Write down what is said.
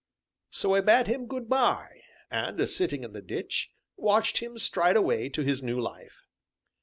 So I bade him good by, and, sitting in the ditch, watched him stride away to his new life.